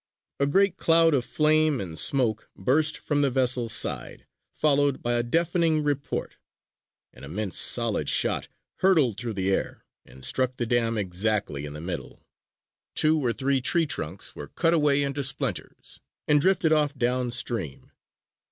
A great cloud of flame and smoke burst from the vessel's side, followed by a deafening report. An immense solid shot hurtled through the air and struck the dam exactly in the middle. Two or three tree trunks were cut away into splinters and drifted off downstream.